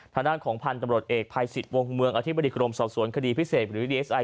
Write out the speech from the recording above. ทางด้านของพันธุ์ตำรวจเอกภัยสิทธิ์วงเมืองอธิบดีกรมสอบสวนคดีพิเศษหรือดีเอสไอ